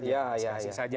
dan biasa biasa saja